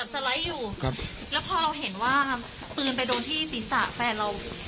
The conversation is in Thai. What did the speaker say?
จัดอยู่ครับแล้วพอเราเห็นว่าปืนไปโดนที่สิษะแฟนเรา